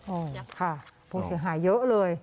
ค่ะผู้เสียหายเยอะเลย